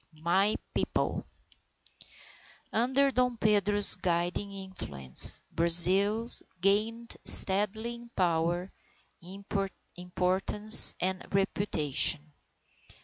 II My People Under Dom Pedro's guiding influence, Brazil gained steadily in power, importance, and reputation.